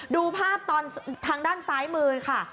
ดูภาพตอนทางด้านซ้ายมือค่ะ